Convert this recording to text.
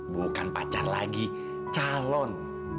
bukan pacar lagi calon